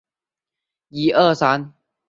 北接番禺区。